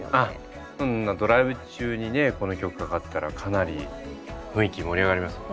ドライブ中にねこの曲かかったらかなり雰囲気盛り上がりますよね。